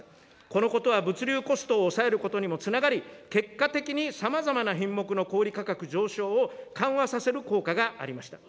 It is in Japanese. このことは物流コストを抑えることにもつながり、結果的にさまざまな品目の小売り価格上昇を緩和させる効果がありました。